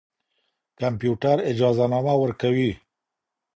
کمپيوټر اجازهنامه ورکوي.